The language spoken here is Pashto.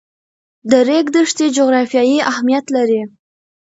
د ریګ دښتې جغرافیایي اهمیت لري.